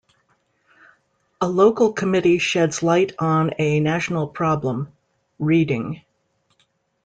A Local Committee Sheds Light on a National Problem: Reading.